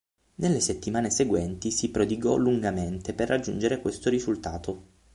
Nelle settimane seguenti si prodigò lungamente per raggiungere questo risultato.